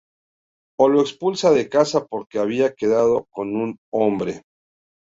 O lo expulsa de casa porque había quedado con un hombre.